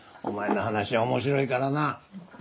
お前の話は面白いからな。